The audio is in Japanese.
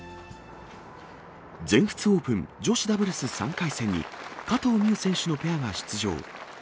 全仏オープン女子ダブルス３回戦に、加藤未唯選手のペアが出場。